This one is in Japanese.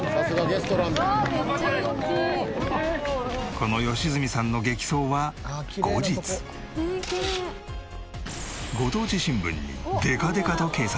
この良純さんの激走はご当地新聞にでかでかと掲載！